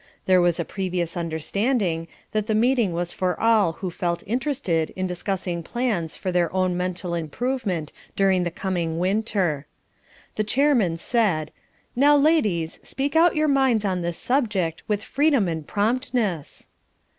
There was a previous understanding that the meeting was for all who felt interested in discussing plans for their own mental improvement during the coming winter. The chairman said: "Now, ladies, speak out your minds on this subject with freedom and promptness."